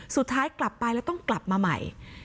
สุดท้ายกลับไปแล้วต้องกลับมาใหม่